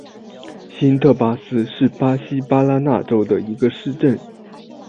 新特巴斯是巴西巴拉那州的一个市镇。